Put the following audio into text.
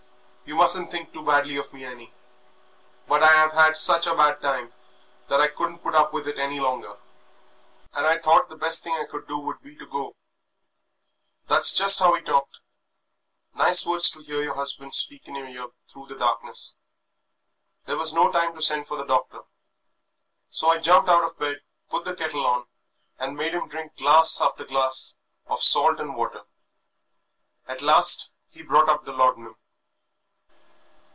You mustn't think too badly of me, Annie, but I have had such a bad time that I couldn't put up with it any longer, and I thought the best thing I could do would be to go.' That's just how he talked nice words to hear your husband speak in your ear through the darkness! There was no time to send for the doctor, so I jumped out of bed, put the kettle on, and made him drink glass after glass of salt and water. At last he brought up the laudanum."